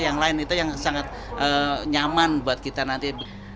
yang lain itu yang sangat nyaman buat kita nanti